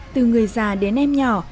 từ người già đến em nhỏ